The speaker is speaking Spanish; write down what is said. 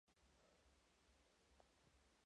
La placa que marca el lugar forma parte de un monumento.